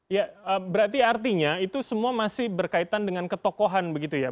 ya berarti artinya itu semua masih berkaitan dengan ketokohan begitu ya